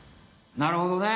なるほどね。